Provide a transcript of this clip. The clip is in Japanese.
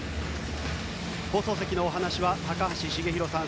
放送席のお話は高橋繁浩さん